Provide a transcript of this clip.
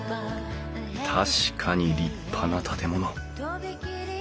確かに立派な建物。